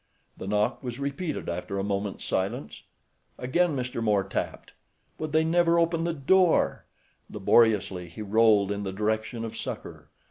The knock was repeated after a moment's silence. Again Mr. Moore tapped. Would they never open the door! Laboriously he rolled in the direction of succor.